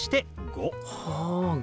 ５。